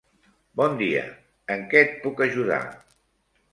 Bon dia. En què et puc ajudar?